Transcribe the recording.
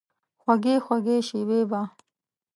خوږې، خوږې شیبې به،